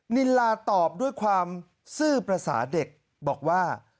นิลาตอบด้วยความซื่อประสาทเด็กบอกว่า